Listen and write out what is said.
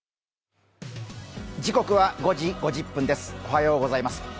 おはようございます。